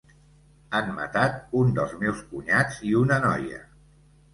Han matat un dels meus cunyats i una noia.